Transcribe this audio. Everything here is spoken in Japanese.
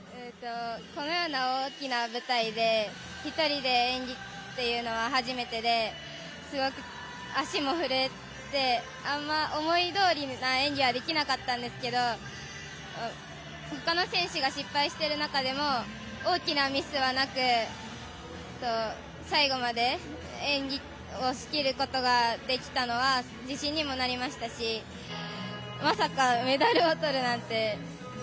このような大きな舞台で１人で演技というのは初めてですごく足も震えてあんまり思いどおりな演技はできなかったんですけど他の選手が失敗している中でも大きなミスはなく最後まで演技をしきることができたのは自信にもなりましたしまさかメダルをとるなんて。